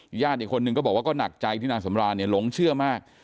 ญาติอีกคนนึงก็บอกว่าก็หนักใจที่นางสำรานเนี่ยหลงเชื่อมาก